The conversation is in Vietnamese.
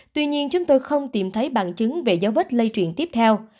tuy nhiên chúng tôi không tìm thấy bằng chứng về giáo vết lây truyền tiếp theo